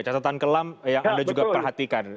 catatan kelam yang anda juga perhatikan